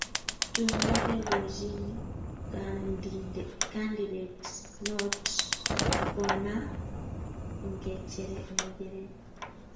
Tun makekochini kandindet not konam ngecheret